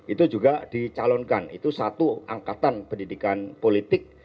itu juga dicalonkan itu satu angkatan pendidikan politik